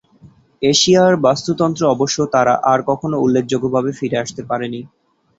এশিয়ার বাস্তুতন্ত্রে অবশ্য তারা আর কখনও উল্লেখযোগ্যভাবে ফিরে আসতে পারেনি।